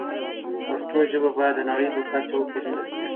پښتو ژبه باید د نړۍ په کچه وپیژندل شي.